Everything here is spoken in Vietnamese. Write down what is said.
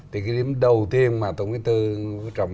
thì cái điểm đầu tiên mà tổng thống trọng